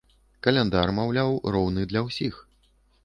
Каляндар, маўляў, роўны для ўсіх.